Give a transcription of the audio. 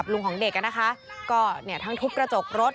ลูกของเด็กก็ทุบกระจกรถ